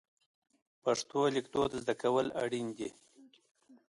پښتو لیکدود زده کول اړین دي.